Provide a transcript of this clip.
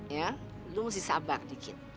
ya lu mesti sabar dikit